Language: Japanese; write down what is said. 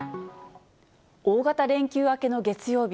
大型連休明けの月曜日。